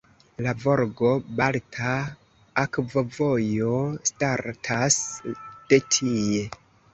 La Volgo-Balta Akvovojo startas de tie.